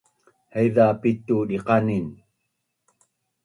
Haiza pitu diqanin